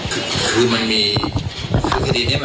คือทำไมถึงไม่สามารถที่จะเปิดจุดอ่าหลังการที่เดี๋ยวน่ะ